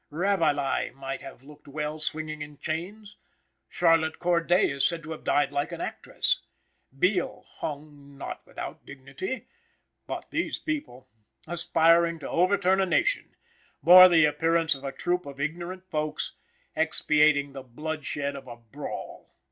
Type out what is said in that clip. Ravaillae might have looked well swinging in chains; Charlotte Corday is said to have died like an actress; Beale hung not without dignity, but these people, aspiring to overturn a nation, bore the appearance of a troop of ignorant folks, expiating the blood shed of a brawl.